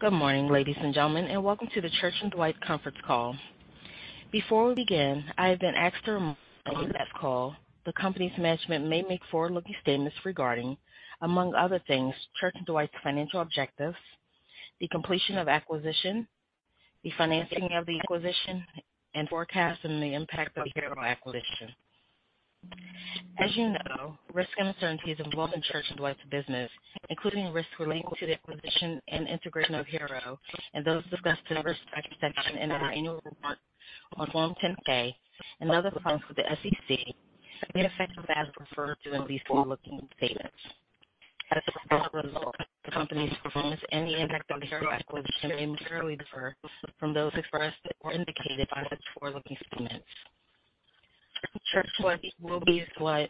Good morning, ladies and gentlemen, and welcome to the Church & Dwight Conference Call. Before we begin, I have been asked to remind you that on this call, the company's management may make forward-looking statements regarding, among other things, Church & Dwight's financial objectives, the completion of the acquisition, the financing of the acquisition and forecasts and the impact of Hero acquisition. As you know, risks and uncertainties involving Church & Dwight's business, including risks relating to the acquisition and integration of Hero and those discussed in the Risk Factors section in our annual report on Form 10-K and other filings with the SEC may affect results referred to in these forward-looking statements. As a result, the company's performance and the impact of Hero acquisition may materially differ from those expressed or indicated by the forward-looking statements. Church & Dwight will be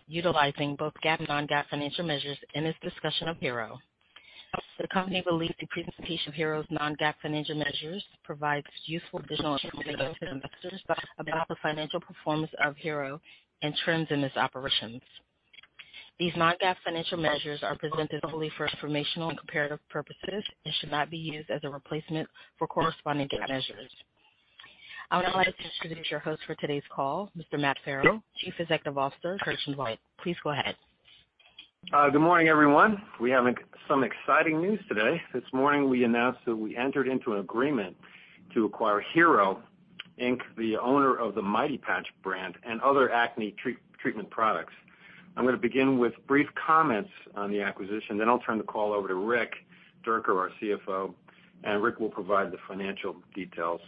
utilizing both GAAP and non-GAAP financial measures in its discussion of Hero. The company believes the presentation of Hero's non-GAAP financial measures provides useful visual information to investors about the financial performance of Hero and trends in its operations. These non-GAAP financial measures are presented solely for informational and comparative purposes and should not be used as a replacement for corresponding GAAP measures. I would now like to introduce your host for today's call, Mr. Matt Farrell, Chief Executive Officer of Church & Dwight. Please go ahead. Good morning, everyone. We have some exciting news today. This morning, we announced that we entered into an agreement to acquire Hero Cosmetics, Inc., the owner of the Mighty Patch brand and other acne treatment products. I'm gonna begin with brief comments on the acquisition, then I'll turn the call over to Rick Dierker, our Chief Financial Officer, and Rick will provide the financial details.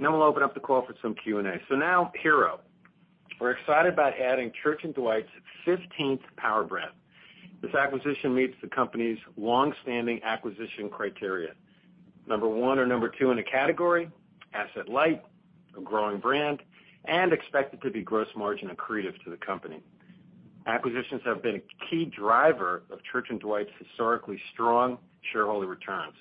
We'll open up the call for some Q&A. Now Hero. We're excited about adding Church & Dwight's fifteenth power brand. This acquisition meets the company's long-standing acquisition criteria. Number one or number two in a category, asset light, a growing brand, and expected to be gross margin accretive to the company. Acquisitions have been a key driver of Church & Dwight's historically strong shareholder returns.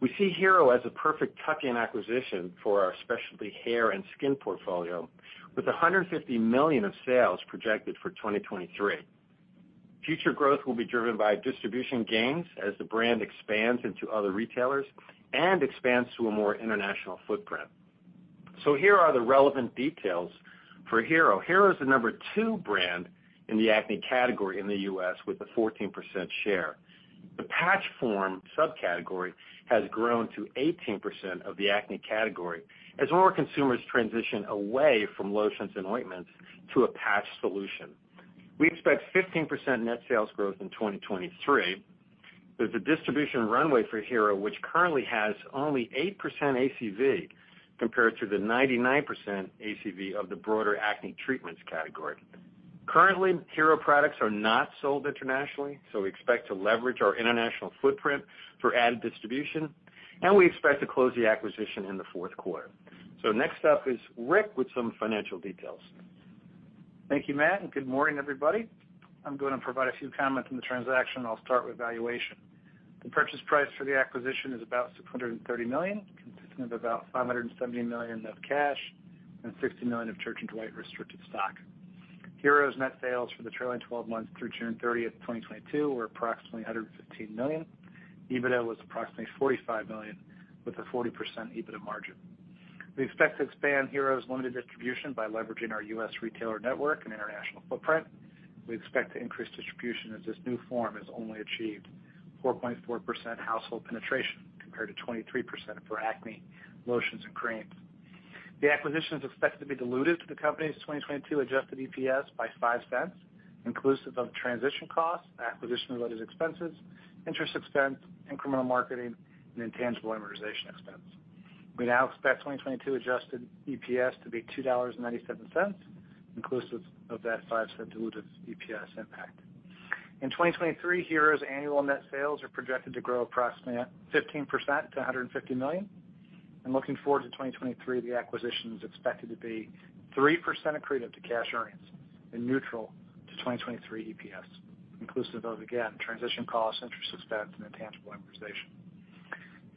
We see Hero as a perfect tuck-in acquisition for our specialty hair and skin portfolio, with $150 million of sales projected for 2023. Future growth will be driven by distribution gains as the brand expands into other retailers and expands to a more international footprint. Here are the relevant details for Hero. Hero is the number two brand in the acne category in the U.S. with a 14% share. The patch form subcategory has grown to 18% of the acne category as more consumers transition away from lotions and ointments to a patch solution. We expect 15% net sales growth in 2023. There's a distribution runway for Hero, which currently has only 8% ACV compared to the 99% ACV of the broader acne treatments category. Currently, Hero products are not sold internationally, so we expect to leverage our international footprint for and distribution, and we expect to close the acquisition in the Q4. Next up is Rick with some financial details. Thank you, Matt, and good morning, everybody. I'm gonna provide a few comments on the transaction. I'll start with valuation. The purchase price for the acquisition is about $630 million, consisting of about $570 million of cash and $60 million of Church & Dwight restricted stock. Hero's net sales for the trailing twelve months through June 30, 2022, were approximately $115 million. EBITDA was approximately $45 million, with a 40% EBITDA margin. We expect to expand Hero's limited distribution by leveraging our U.S. retailer network and international footprint. We expect to increase distribution as this new form has only achieved 4.4% household penetration compared to 23% for acne lotions and creams. The acquisition is expected to be dilutive to the company's 2022 adjusted EPS by $0.05, inclusive of transition costs, acquisition-related expenses, interest expense, incremental marketing, and intangible amortization expense. We now expect 2022 adjusted EPS to be $2.97, inclusive of that five-cent dilutive EPS impact. In 2023, Hero's annual net sales are projected to grow approximately 15% to $150 million. Looking forward to 2023, the acquisition is expected to be 3% accretive to cash earnings and neutral to 2023 EPS, inclusive of, again, transition costs, interest expense, and intangible amortization.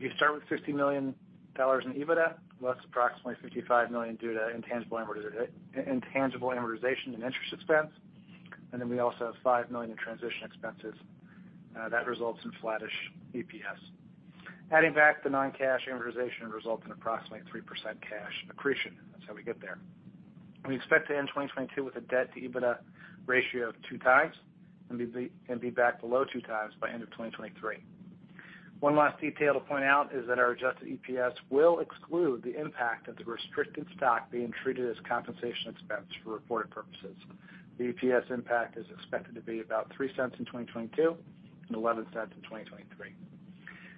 We start with $60 million in EBITDA, less approximately $55 million due to intangible amortization and interest expense, and then we also have $5 million in transition expenses. That results in flattish EPS. Adding back the non-cash amortization results in approximately 3% cash accretion. That's how we get there. We expect to end 2022 with a debt-to-EBITDA ratio of 2x and be back below 2x by end of 2023. One last detail to point out is that our adjusted EPS will exclude the impact of the restricted stock being treated as compensation expense for reported purposes. The EPS impact is expected to be about $0.03 in 2022 and $0.11 in 2023.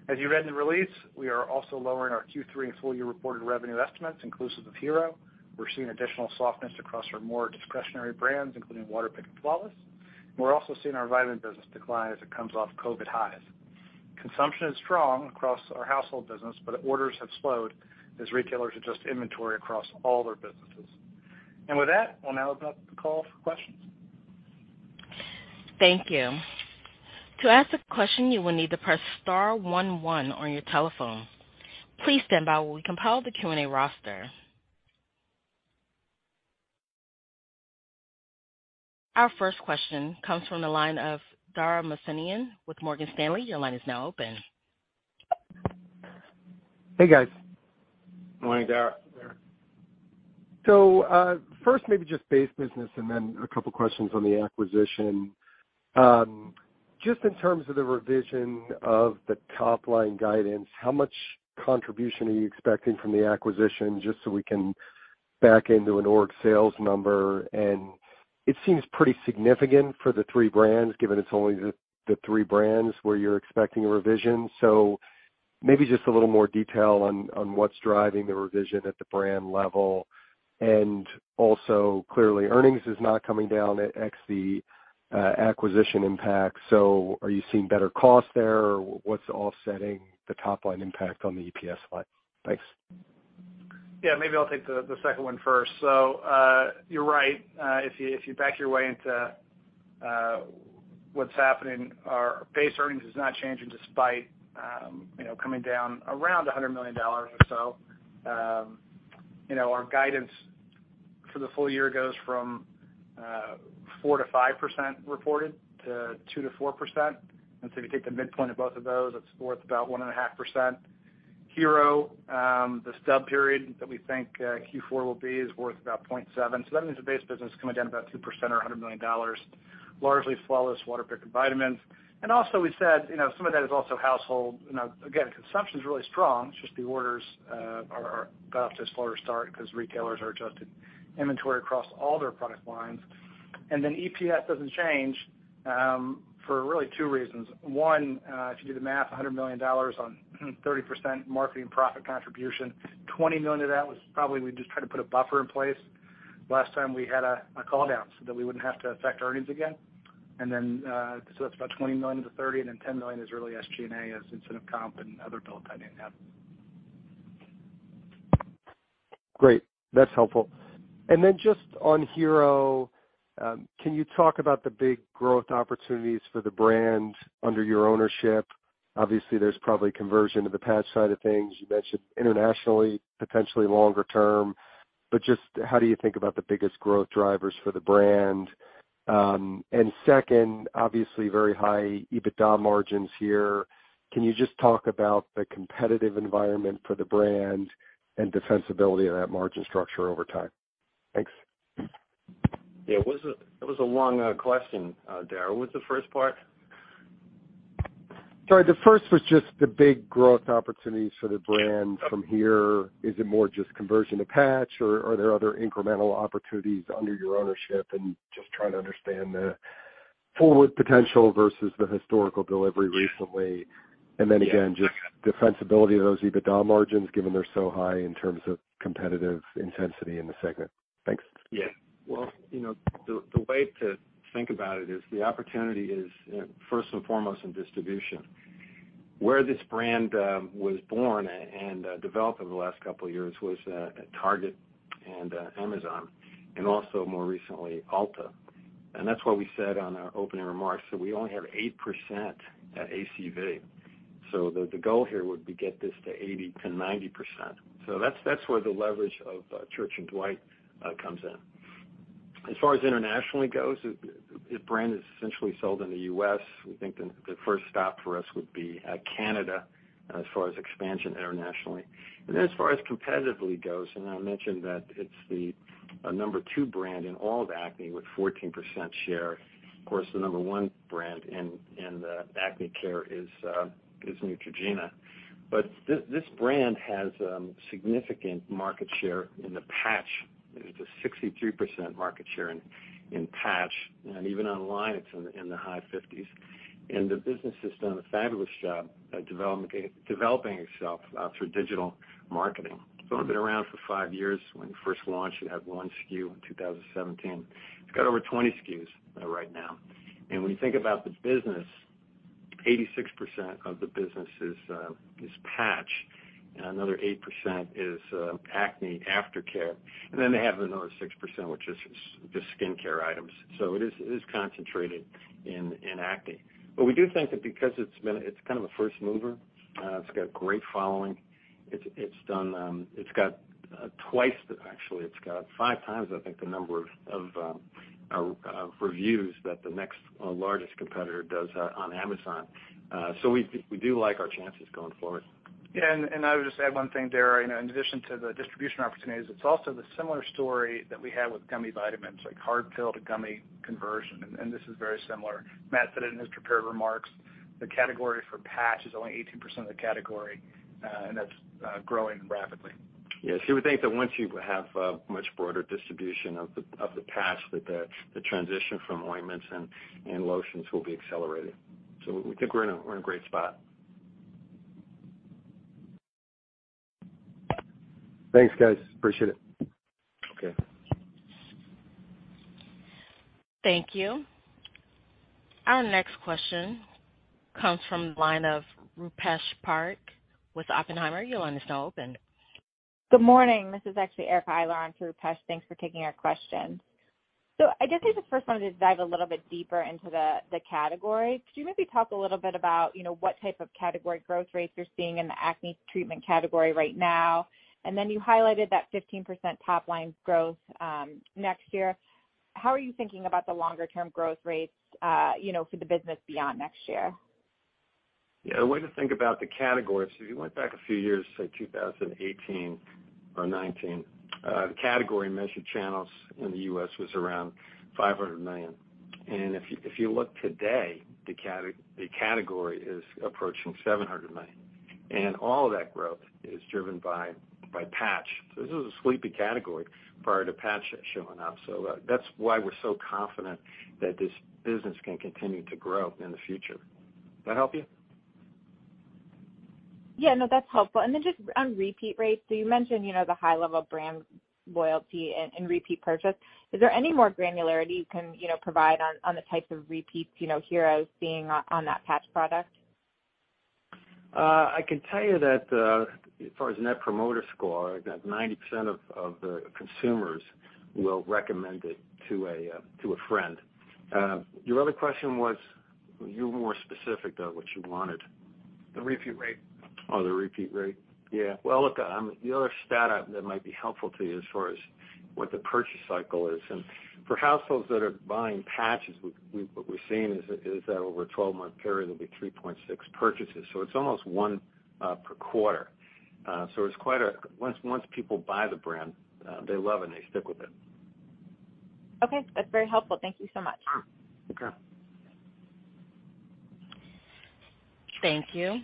As you read in the release, we are also lowering our Q3 and full-year reported revenue estimates, inclusive of Hero. We're seeing additional softness across our more discretionary brands, including Waterpik and Flawless. We're also seeing our vitamin business decline as it comes off COVID highs. Consumption is strong across our household business, but orders have slowed as retailers adjust inventory across all their businesses. With that, we'll now open up the call for questions. Thank you. To ask a question, you will need to press star one one on your telephone. Please stand by while we compile the Q&A roster. Our first question comes from the line of Dara Mohsenian with Morgan Stanley. Your line is now open. Hey, guys. Morning, Dara. First maybe just base business and then a couple of questions on the acquisition. Just in terms of the revision of the top line guidance, how much contribution are you expecting from the acquisition just so we can back into an organic sales number? It seems pretty significant for the three brands, given it's only the three brands where you're expecting a revision. Maybe just a little more detail on what's driving the revision at the brand level. Clearly, earnings is not coming down at all, the acquisition impact. Are you seeing better costs there? Or what's offsetting the top line impact on the EPS line? Thanks. Yeah, maybe I'll take the second one first. You're right. If you back your way into what's happening, our base earnings is not changing despite you know coming down around $100 million or so. You know, our guidance for the full year goes from 4%-5% reported to 2%-4%. If you take the midpoint of both of those, that's worth about 1.5%. Hero, the stub period that we think Q4 will be is worth about 0.7%. That means the base business is coming down about 2% or $100 million, largely Flawless, Waterpik, vitamins. We said you know some of that is also household. You know, again, consumption's really strong, it's just the orders are got off to a slower start because retailers are adjusting inventory across all their product lines. EPS doesn't change for really two reasons. One, if you do the math, $100 million on 30% marketing profit contribution, $20 million of that was probably we just tried to put a buffer in place last time we had a call down so that we wouldn't have to affect earnings again. so that's about $20 million-$30 million, and then $10 million is really SG&A as incentive comp and other bill and pay they have. Great. That's helpful. Just on Hero, can you talk about the big growth opportunities for the brand under your ownership? Obviously, there's probably conversion to the patch side of things. You mentioned internationally, potentially longer term, but just how do you think about the biggest growth drivers for the brand? Second, obviously very high EBITDA margins here. Can you just talk about the competitive environment for the brand and defensibility of that margin structure over time? Thanks. Yeah, it was a long question, Dara. What was the first part? Sorry. The first was just the big growth opportunities for the brand from here. Is it more just conversion to patch, or are there other incremental opportunities under your ownership and just trying to understand the forward potential versus the historical delivery recently? Again, just defensibility of those EBITDA margins, given they're so high in terms of competitive intensity in the segment? Thanks. Yeah. Well, you know, the way to think about it is the opportunity is first and foremost in distribution. Where this brand was born and developed over the last couple of years was at Target and Amazon, and also more recently, Ulta. That's what we said on our opening remarks, that we only have 8% ACV. The goal here would be get this to 80%-90%. That's where the leverage of Church & Dwight comes in. As far as internationally goes, the brand is essentially sold in the U.S. We think the first stop for us would be Canada as far as expansion internationally. As far as competitively goes, I mentioned that it's the number two brand in all of acne with 14% share. Of course, the number one brand in the acne care is Neutrogena. This brand has significant market share in the patch. It's a 63% market share in patch, and even online, it's in the high 50s. The business has done a fabulous job at developing itself through digital marketing. It's been around for five years. When it first launched, it had one SKU in 2017. It's got over 20 SKUs right now. When you think about the business, 86% of the business is patch. Another 8% is acne aftercare. Then they have another 6%, which is just skincare items. It is concentrated in acne. We do think that because it's been a first mover, it's got a great following. It's got five times, actually, I think, the number of reviews that the next largest competitor does on Amazon. We do like our chances going forward. Yeah. I would just add one thing, Dara. You know, in addition to the distribution opportunities, it's also the similar story that we had with gummy vitamins, like hard pill to gummy conversion, and this is very similar. Matt said it in his prepared remarks. The category for patch is only 18% of the category, and that's growing rapidly. Yes. We think that once you have a much broader distribution of the patch, that the transition from ointments and lotions will be accelerated. We think we're in a great spot. Thanks, guys. Appreciate it. Okay. Thank you. Our next question comes from the line of Rupesh Parikh with Oppenheimer. Your line is now open. Good morning. This is actually Erica Eiler for Rupesh. Thanks for taking our question. I guess I just first wanted to dive a little bit deeper into the category. Could you maybe talk a little bit about, you know, what type of category growth rates you're seeing in the acne treatment category right now? Then you highlighted that 15% top line growth next year. How are you thinking about the longer term growth rates, you know, for the business beyond next year? Yeah, the way to think about the category. If you went back a few years, say 2018 or 2019, the category measured channels in the U.S. was around $500 million. If you look today, the category is approaching $700 million, and all of that growth is driven by patch. This is a sleepy category prior to patch showing up. That's why we're so confident that this business can continue to grow in the future. That help you? Yeah, no, that's helpful. Just on repeat rates, so you mentioned, you know, the high level of brand loyalty and repeat purchase. Is there any more granularity you can, you know, provide on the types of repeats, you know, Hero's seeing on that patch product? I can tell you that, as far as Net Promoter Score, 90% of the consumers will recommend it to a friend. Your other question was you were more specific, though, what you wanted. The repeat rate. Oh, the repeat rate. Yeah. Well, look, the other stat that might be helpful to you as far as what the purchase cycle is, and for households that are buying patches, what we're seeing is that over a 12-month period, there'll be 3.6 purchases. It's almost one per quarter. Once people buy the brand, they love it and they stick with it. Okay. That's very helpful. Thank you so much. Okay. Thank you.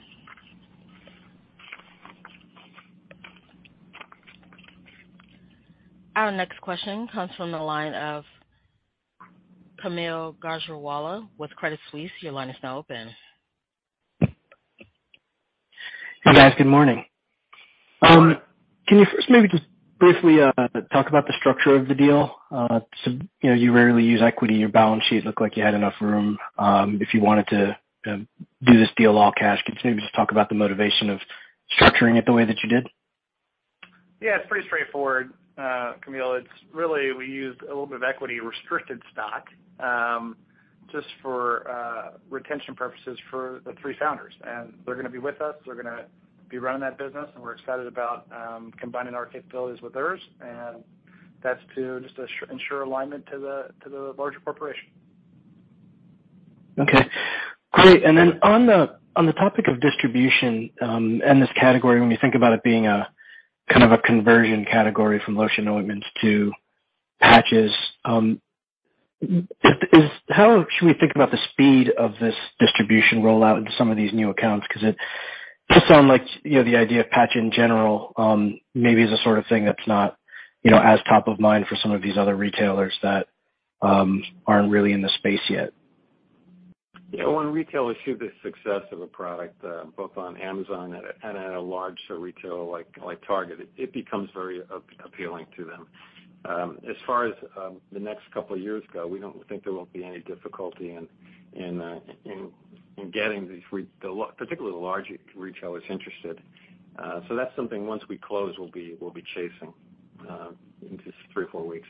Our next question comes from the line of Kaumil Gajrawala with Credit Suisse. Your line is now open. Hey, guys. Good morning. Can you first maybe just briefly talk about the structure of the deal? You know, you rarely use equity. Your balance sheet looked like you had enough room, if you wanted to, do this deal all cash. Can you maybe just talk about the motivation of structuring it the way that you did? Yeah, it's pretty straightforward, Camille. It's really we used a little bit of equity restricted stock just for retention purposes for the three founders. They're gonna be with us. They're gonna be running that business, and we're excited about combining our capabilities with theirs. That's to just ensure alignment to the larger corporation. Okay, great. On the topic of distribution, and this category, when you think about it being a kind of a conversion category from lotion ointments to patches, how should we think about the speed of this distribution rollout into some of these new accounts? Because it just sound like, you know, the idea of patch in general, maybe is the sort of thing that's not, you know, as top of mind for some of these other retailers that aren't really in the space yet. Yeah. When retailers see the success of a product, both on Amazon and at a larger retailer like Target, it becomes very appealing to them. As far as the next couple of years go, we don't think there will be any difficulty in getting the large, particularly the larger retailers interested. That's something once we close, we'll be chasing in just three or four weeks.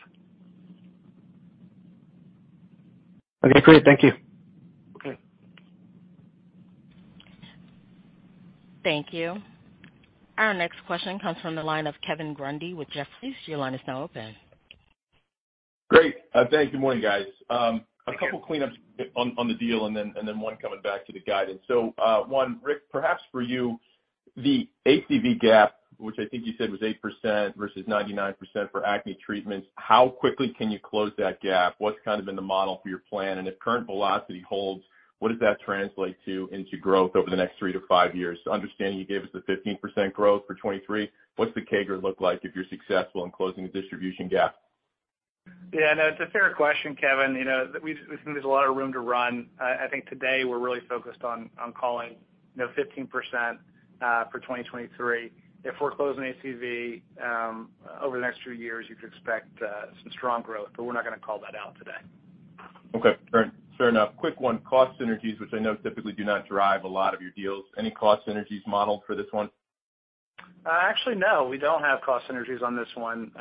Okay, great. Thank you. Okay. Thank you. Our next question comes from the line of Kevin Grundy with Jefferies. Your line is now open. Great. Thanks. Good morning, guys. A couple cleanups on the deal and then one coming back to the guidance. One, Rick, perhaps for you, the ACV gap, which I think you said was 8% versus 99% for acne treatments, how quickly can you close that gap? What's kind of been the model for your plan? If current velocity holds, what does that translate to into growth over the next 3 to 5 years? Understanding you gave us the 15% growth for 2023, what's the CAGR look like if you're successful in closing the distribution gap? Yeah, no, it's a fair question, Kevin. You know, we think there's a lot of room to run. I think today we're really focused on calling, you know, 15% for 2023. If we're closing ACV over the next few years, you could expect some strong growth. We're not gonna call that out today. Okay. Fair, fair enough. Quick one, cost synergies, which I know typically do not drive a lot of your deals. Any cost synergies modeled for this one? Actually, no, we don't have cost synergies on this one.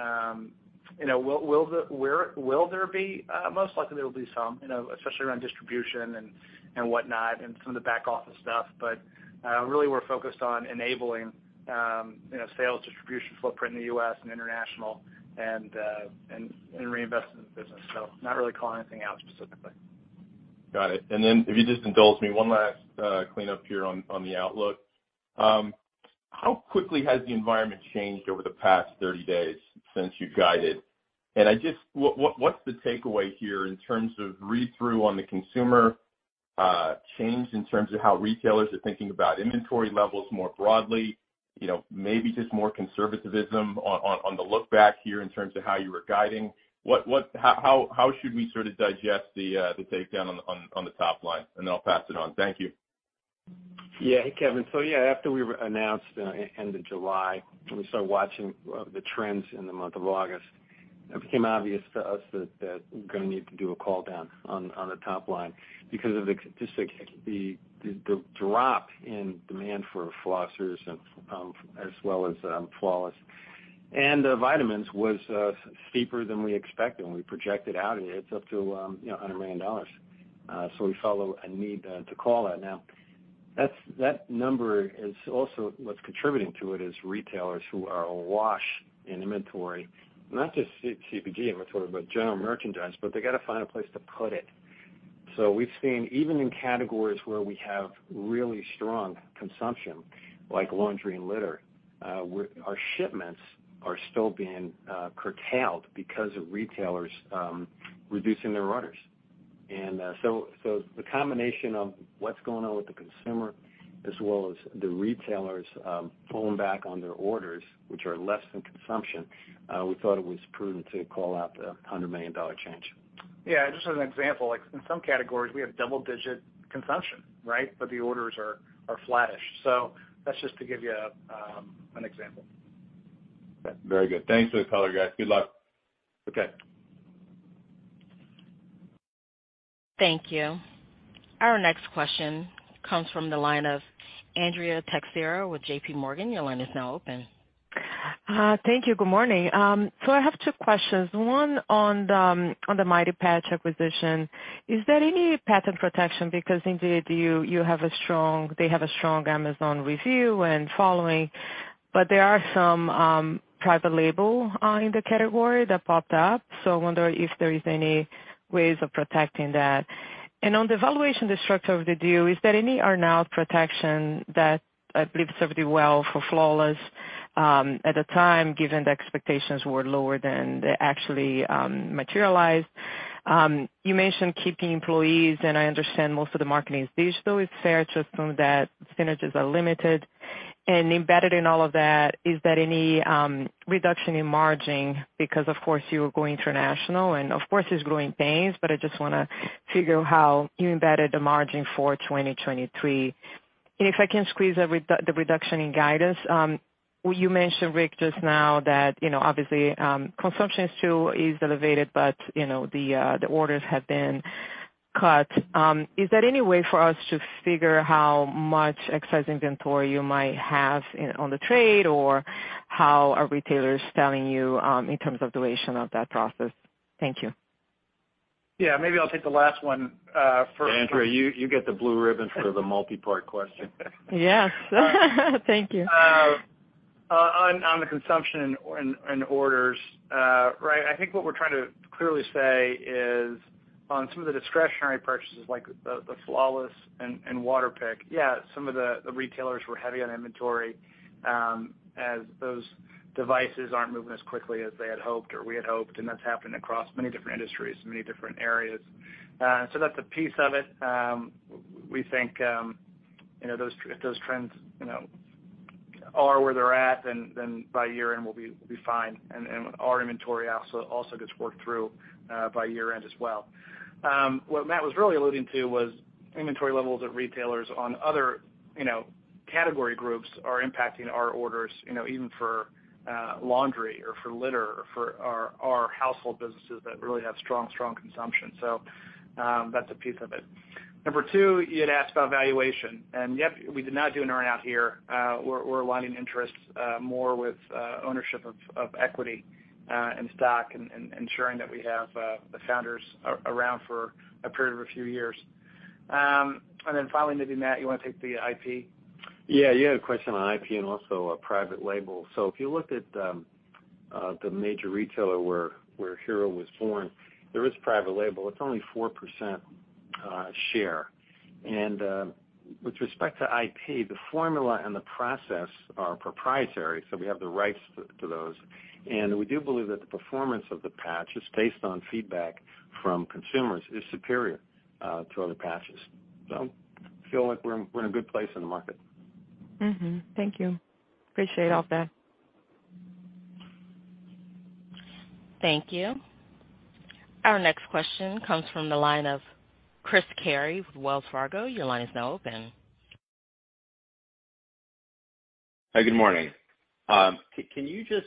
You know, will there be? Most likely there will be some, you know, especially around distribution and whatnot and some of the back office stuff. Really, we're focused on enabling, you know, sales distribution footprint in the U.S. and international, and reinvesting in the business. Not really calling anything out specifically. Got it. If you just indulge me, one last cleanup here on the outlook. How quickly has the environment changed over the past 30 days since you guided? What's the takeaway here in terms of read-through on the consumer change in terms of how retailers are thinking about inventory levels more broadly, you know, maybe just more conservatism on the look back here in terms of how you were guiding? How should we sort of digest the takedown on the top line? I'll pass it on. Thank you. Yeah. Hey, Kevin. After we announced end of July, and we started watching the trends in the month of August, it became obvious to us that we're gonna need to do a call down on the top line because of just like the drop in demand for flossers and as well as Flawless and the vitamins was steeper than we expected when we projected it out. It's up to you know $100 million. We felt a need to call that. That number is also, what's contributing to it is retailers who are awash in inventory, not just CPG inventory, but general merchandise, but they got to find a place to put it. We've seen even in categories where we have really strong consumption, like laundry and litter, our shipments are still being curtailed because of retailers reducing their orders. The combination of what's going on with the consumer as well as the retailers pulling back on their orders, which are less than consumption, we thought it was prudent to call out the $100 million change. Yeah, just as an example, like in some categories we have double digit consumption, right? The orders are flattish. That's just to give you an example. Very good. Thanks for the color, guys. Good luck. Okay. Thank you. Our next question comes from the line of Andrea Teixeira with JPMorgan. Your line is now open. Thank you. Good morning. I have two questions. One on the Mighty Patch acquisition. Is there any patent protection because indeed they have a strong Amazon review and following, but there are some private label in the category that popped up, so I wonder if there is any ways of protecting that. On the valuation structure of the deal, is there any earn-out protection that I believe served you well for Flawless, at the time, given the expectations were lower than they actually materialized? You mentioned keeping employees, and I understand most of the marketing is digital. It's fair to assume that synergies are limited. Embedded in all of that, is there any reduction in margin because of course you're going international and of course there's growing pains, but I just wanna figure how you embedded the margin for 2023. If I can squeeze the reduction in guidance you mentioned, Rick, just now that, you know, obviously, consumption is still elevated, but, you know, the orders have been cut. Is there any way for us to figure how much excess inventory you might have in on the trade or how are retailers telling you in terms of duration of that process? Thank you. Yeah. Maybe I'll take the last one, first. Andrea, you get the blue ribbon for the multi-part question. Yes. Thank you. On the consumption and orders, right, I think what we're trying to clearly say is on some of the discretionary purchases like the Flawless and Waterpik, yeah, some of the retailers were heavy on inventory, as those devices aren't moving as quickly as they had hoped or we had hoped, and that's happened across many different industries, many different areas. That's a piece of it. We think, you know, if those trends, you know, are where they're at, then by year-end we'll be fine. Our inventory also gets worked through by year-end as well. What Matt was really alluding to was inventory levels at retailers on other, you know, category groups are impacting our orders, you know, even for laundry or for litter or for our household businesses that really have strong consumption. That's a piece of it. Number two, you had asked about valuation, and yep, we did not do an earn-out here. We're aligning interests more with ownership of equity and stock and ensuring that we have the founders around for a period of a few years. Finally, maybe, Matt, you wanna take the IP? Yeah. You had a question on IP and also a private label. If you looked at the major retailer where Hero was born, there is private label. It's only 4% share. And with respect to IP, the formula and the process are proprietary, so we have the rights to those. And we do believe that the performance of the patch is, based on feedback from consumers, superior to other patches. Feel like we're in a good place in the market. Thank you. Appreciate all that. Thank you. Our next question comes from the line of Chris Carey with Wells Fargo. Your line is now open. Hi, good morning. Can you just,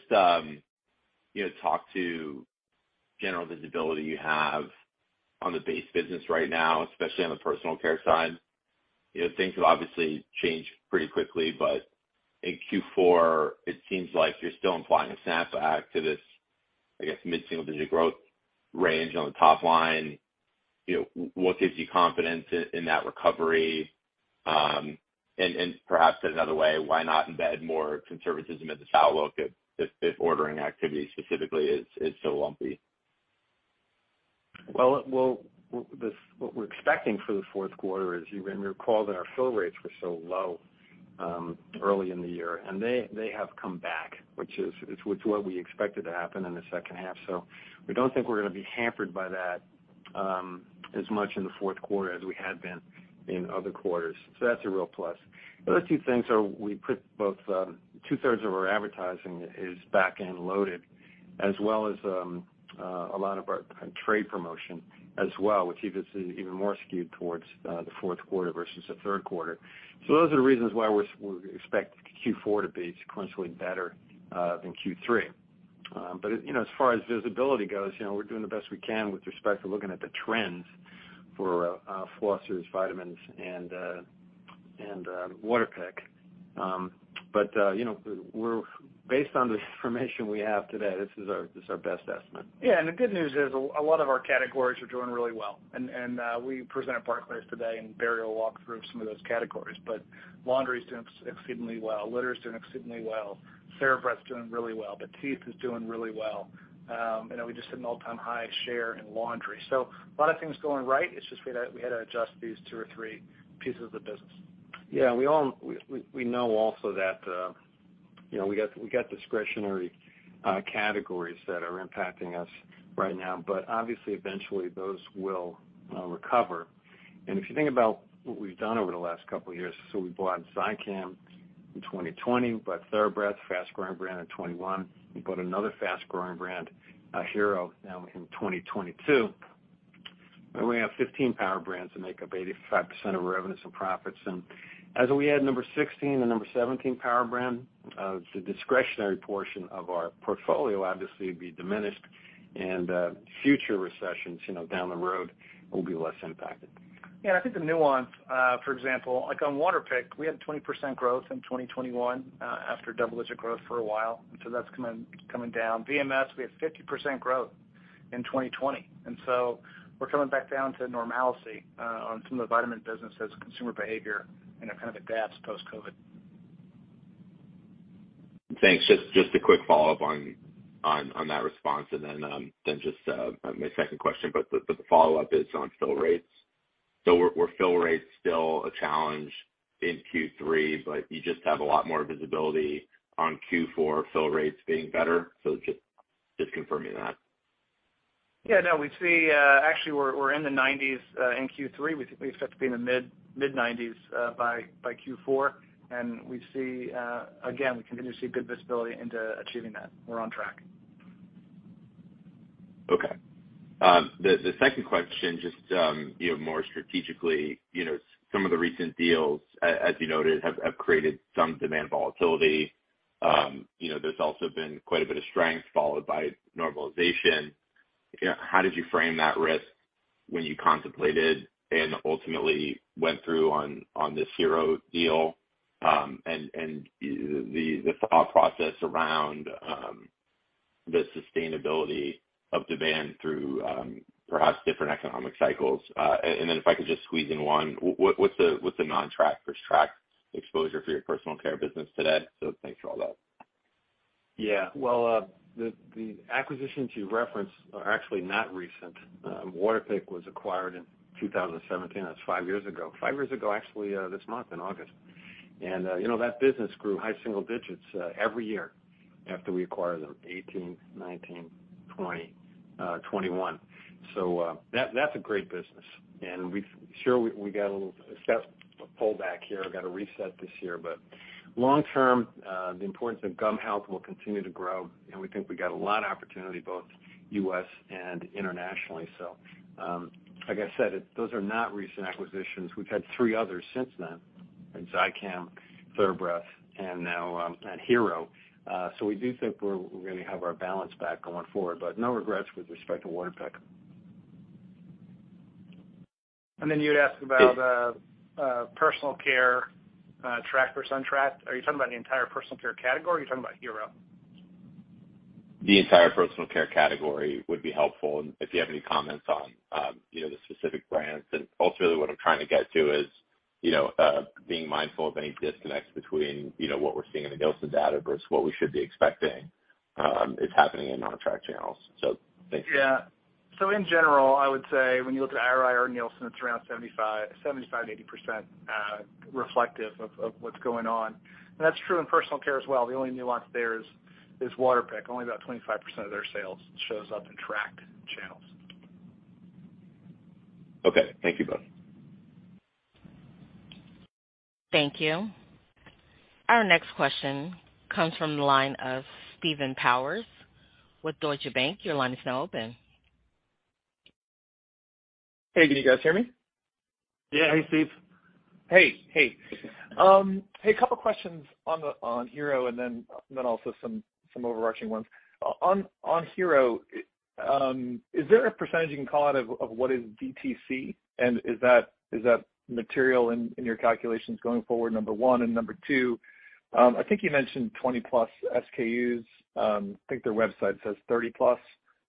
you know, talk to general visibility you have on the base business right now, especially on the personal care side? You know, things have obviously changed pretty quickly, but in Q4 it seems like you're still implying a snapback to this, I guess, mid-single-digit growth range on the top line. You know, what gives you confidence in that recovery? And perhaps put another way, why not embed more conservatism in the outlook if ordering activity specifically is so lumpy? What we're expecting for the Q4 is, and you recall that our fill rates were so low early in the year, and they have come back, which is what we expected to happen in the second half. We don't think we're gonna be hampered by that as much in the Q4 as we had been in other quarters. That's a real plus. The other two things are we put both two-thirds of our advertising is back-end loaded, as well as a lot of our trade promotion as well, which is even more skewed towards the Q4 versus the Q3. Those are the reasons why we expect Q4 to be sequentially better than Q3. You know, as far as visibility goes, you know, we're doing the best we can with respect to looking at the trends for flossers, vitamins and Waterpik. You know, based on the information we have today, this is our best estimate. Yeah. The good news is a lot of our categories are doing really well. We presented Barclays today, and Barry will walk through some of those categories. Laundry is doing exceedingly well. Litter is doing exceedingly well. TheraBreath's doing really well. Batiste is doing really well. You know, we just hit an all-time high share in laundry. A lot of things going right, it's just we had to adjust these two or three pieces of the business. We know also that you know we got discretionary categories that are impacting us right now. Obviously eventually those will recover. If you think about what we've done over the last couple of years, we bought Zicam in 2020. We bought TheraBreath, fast-growing brand, in 2021. We bought another fast-growing brand, Hero, now in 2022. We have 15 power brands that make up 85% of our revenues and profits. As we add number 16 and number 17 power brand, the discretionary portion of our portfolio obviously will be diminished and future recessions you know down the road will be less impacted. Yeah, I think the nuance, for example, like on Waterpik, we had 20% growth in 2021, after double-digit growth for a while. That's coming down. VMS, we had 50% growth in 2020. We're coming back down to normalcy, on some of the vitamin business as consumer behavior, you know, kind of adapts post-COVID. Thanks. Just a quick follow-up on that response and then my second question. The follow-up is on fill rates. Were fill rates still a challenge in Q3, but you just have a lot more visibility on Q4 fill rates being better? Just confirming that. Yeah, no. We see, actually, we're in the 1990s in Q3. We think we expect to be in the mid-1990s by Q4. We see, again, we continue to see good visibility into achieving that. We're on track. Okay. The second question, just, you know, more strategically. You know, some of the recent deals, as you noted, have created some demand volatility. You know, there's also been quite a bit of strength followed by normalization. You know, how did you frame that risk when you contemplated and ultimately went through on this Hero deal? And the thought process around the sustainability of demand through perhaps different economic cycles. And then if I could just squeeze in one. What’s the non-tracked versus tracked exposure for your personal care business today? So thanks for all that. Yeah. Well, the acquisitions you referenced are actually not recent. Waterpik was acquired in 2017. That's five years ago. Five years ago, actually, this month in August. You know, that business grew high single digits every year after we acquired them, 2018, 2019, 2020, 2021. That's a great business. Sure, we got a little pullback here, got a reset this year. Long term, the importance of gum health will continue to grow, and we think we got a lot of opportunity both U.S. and internationally. Like I said, those are not recent acquisitions. We've had three others since then, in Zicam, TheraBreath, and now, and Hero. We do think we really have our balance back going forward, but no regrets with respect to Waterpik. You'd ask about personal care, tracked versus untracked. Are you talking about the entire personal care category, or are you talking about Hero? The entire personal care category would be helpful, and if you have any comments on, you know, the specific brands. Ultimately, what I'm trying to get to is, you know, being mindful of any disconnects between, you know, what we're seeing in the Nielsen data versus what we should be expecting, is happening in non-tracked channels. Thank you. Yeah. In general, I would say when you look at IRI or Nielsen, it's around 75%-80%, reflective of what's going on. That's true in personal care as well. The only nuance there is Waterpik. Only about 25% of their sales shows up in tracked channels. Okay. Thank you both. Thank you. Our next question comes from the line of Steve Powers with Deutsche Bank. Your line is now open. Hey, can you guys hear me? Yeah. Hey, Steve. Hey. A couple questions on Hero and then also some overarching ones. On Hero, is there a percentage you can call out of what is DTC, and is that material in your calculations going forward? Number one. Number two, I think you mentioned 20+ SKUs. I think their website says 30+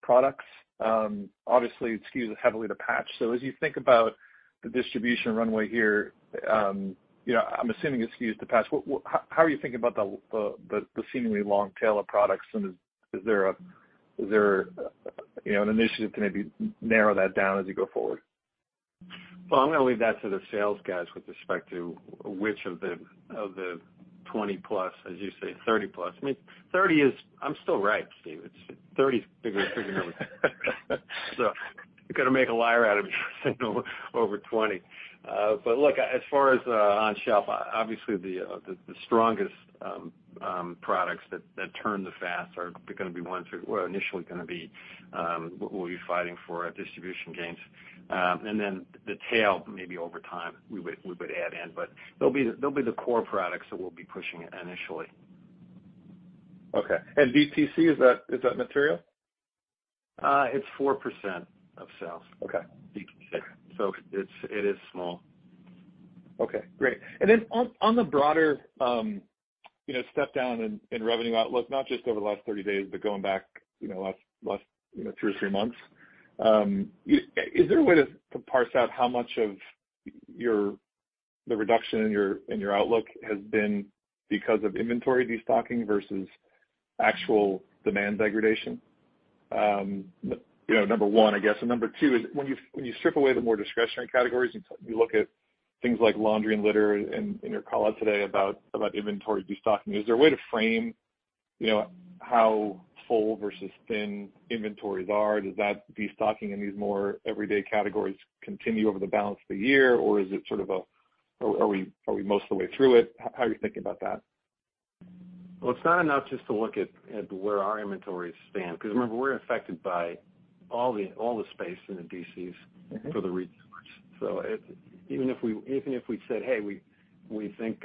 products. Obviously, SKUs are heavily to patch. As you think about the distribution runway here, you know, I'm assuming SKUs to patch. How are you thinking about the seemingly long tail of products, and is there, you know, an initiative to maybe narrow that down as you go forward? Well, I'm gonna leave that to the sales guys with respect to which of the 20+, as you say, 30+. I mean, 30 is. I'm still right, Steve. It's 30, a bigger number. You're gonna make a liar out of me saying over 20. Look, as far as on shelf, obviously the strongest products that turn the fastest are gonna be ones, well, initially, what we'll be fighting for at distribution gains. The tail maybe over time we would add in. They'll be the core products that we'll be pushing initially. Okay. DTC, is that material? It's 4% of sales. Okay. It is small. Okay, great. On the broader, you know, step down in revenue outlook, not just over the last 30 days, but going back, you know, last two or three months, is there a way to parse out how much of your, the reduction in your outlook has been because of inventory destocking versus actual demand degradation? You know, number one, I guess. Number two is when you strip away the more discretionary categories, you look at things like laundry and litter in your call out today about inventory destocking. Is there a way to frame, you know, how full versus thin inventories are? Does that destocking in these more everyday categories continue over the balance of the year, or is it sort of, are we most of the way through it? How are you thinking about that? Well, it's not enough just to look at where our inventories stand, because remember, we're affected by all the space in the DCs for the retailers. Even if we'd said, "Hey, we think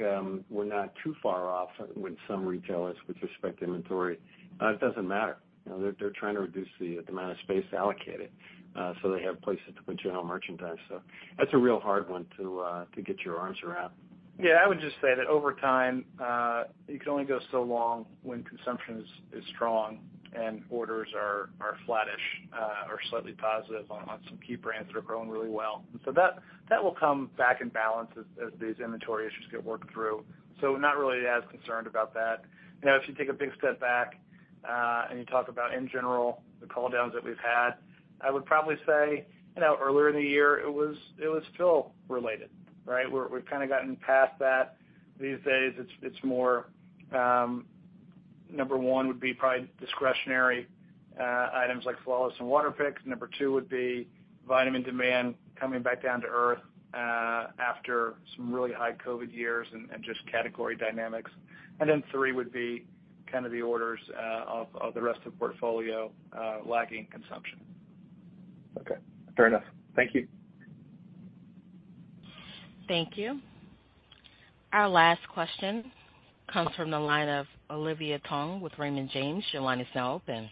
we're not too far off with some retailers with respect to inventory," it doesn't matter. You know, they're trying to reduce the amount of space allocated, so they have places to put general merchandise. That's a real hard one to get your arms around. Yeah, I would just say that over time, you can only go so long when consumption is strong and orders are flattish, or slightly positive on some key brands that are growing really well. That will come back in balance as these inventory issues get worked through. Not really as concerned about that. You know, if you take a big step back, and you talk about in general, the call downs that we've had, I would probably say, you know, earlier in the year, it was fill related, right? We've kinda gotten past that. These days, it's more, number one would be probably discretionary items like Flawless and Waterpiks. Number two would be vitamin demand coming back down to earth, after some really high COVID years and just category dynamics. Three would be kind of the orders of the rest of portfolio lagging consumption. Okay, fair enough. Thank you. Thank you. Our last question comes from the line of Olivia Tong with Raymond James. Your line is now open.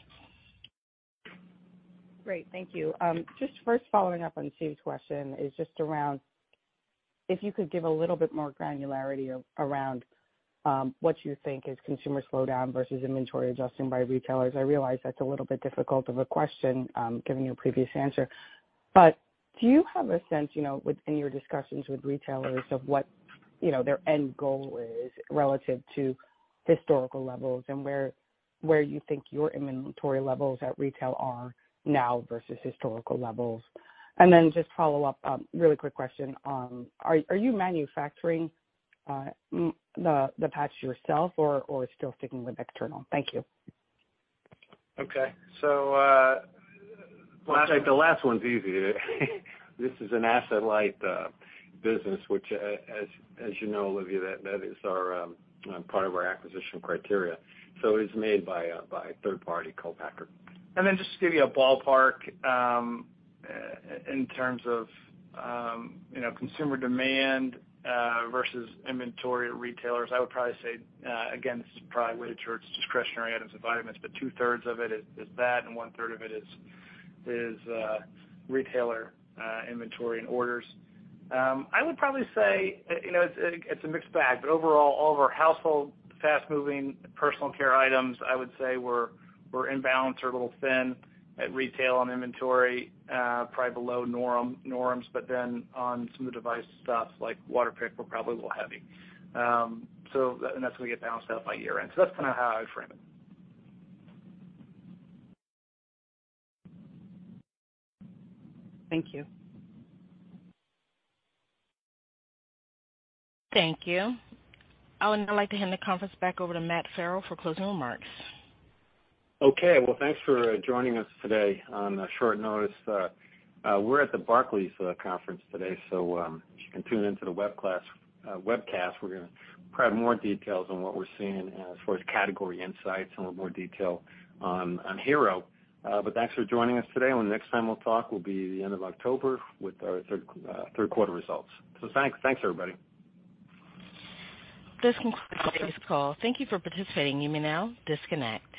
Great, thank you. Just first following up on Steve's question is just around if you could give a little bit more granularity around what you think is consumer slowdown versus inventory adjusting by retailers. I realize that's a little bit difficult of a question, given your previous answer. Do you have a sense, you know, with, in your discussions with retailers of what, you know, their end goal is relative to historical levels and where you think your inventory levels at retail are now versus historical levels? Then just follow up, really quick question. Are you manufacturing the patch yourself or still sticking with external? Thank you. Okay. The last one's easy. This is an asset-light business, which, as you know, Olivia, that is our part of our acquisition criteria. It's made by a third-party co-packer. Just to give you a ballpark, in terms of, you know, consumer demand versus inventory at retailers, I would probably say, again, this is probably weighted towards discretionary items and vitamins, but two-thirds of it is that and one-third of it is retailer inventory and orders. I would probably say, you know, it's a mixed bag, but overall, all of our household fast-moving personal care items, I would say we're in balance or a little thin at retail on inventory, probably below norms, but then on some of the device stuff like Waterpik, we're probably a little heavy. And that's gonna get balanced out by year-end. That's kinda how I'd frame it. Thank you. Thank you. I would now like to hand the conference back over to Matt Farrell for closing remarks. Okay. Well, thanks for joining us today on short notice. We're at the Barclays conference today, so if you can tune into the webcast, we're gonna provide more details on what we're seeing as far as category insights and more detail on Hero. Thanks for joining us today, and the next time we'll talk will be the end of October with our Q3 results. Thanks, everybody. This concludes today's call. Thank you for participating. You may now disconnect.